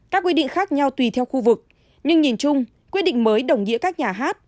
các quy định khác nhau tùy theo khu vực nhưng nhìn chung quyết định mới đồng nghĩa các nhà hát